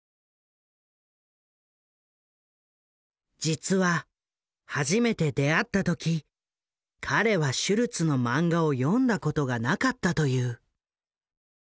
実は初めて出会った時彼はシュルツのマンガを読んだことがなかったという。